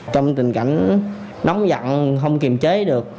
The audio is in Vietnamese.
trong tình cảnh nóng giận không kiềm chế được